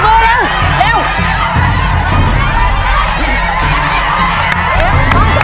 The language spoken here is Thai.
แต่มือเร็ว